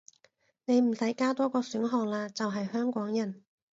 你唔使加多個選項喇，就係香港人